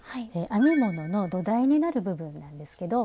編み物の土台になる部分なんですけど。